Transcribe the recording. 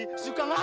nanti suka ngambek